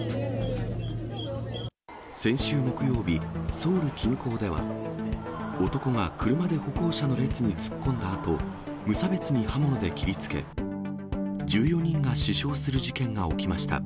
先週木曜日、ソウル近郊では、男が車で歩行者の列に突っ込んだあと、無差別に刃物で切りつけ、１４人が死傷する事件が起きました。